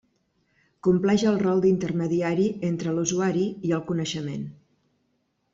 Compleix el rol d'intermediari entre l'usuari i el coneixement.